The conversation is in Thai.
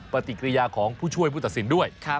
ปฏิกิริยาของผู้ช่วยผู้ตัดสินด้วย